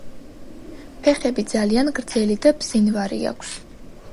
ფეხები ძალიან გრძელი და ბზინვარე აქვს.